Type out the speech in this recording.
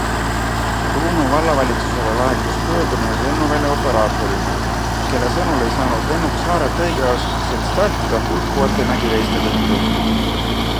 Ruhnu vallavalitsusele laekus pöördumine lennuvälja operaatorilt, kelle sõnul ei saanud lennuk saarelt õigeaegselt startida hulkuvate mägiveiste tõttu.